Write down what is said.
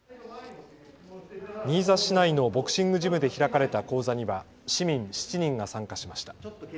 新座市内のボクシングジムで開かれた講座には市民７人が参加しました。